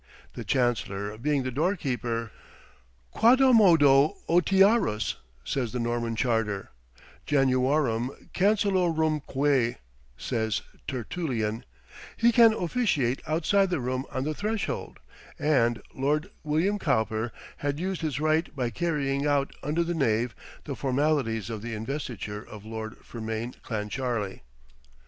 The Chancellor being the doorkeeper "Quodammodo ostiarus," says the Norman charter; "Januarum cancellorumque," says Tertullian he can officiate outside the room on the threshold; and Lord William Cowper had used his right by carrying out under the nave the formalities of the investiture of Lord Fermain Clancharlie.